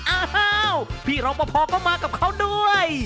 อะแฮวพี่เราป่าพอก็มากับเขาด้วย